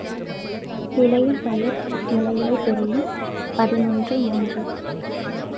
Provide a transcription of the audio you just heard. விளையும் பயிர் முளையிலேயே தெரியும் பதினொன்று மூன்று.